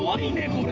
これ！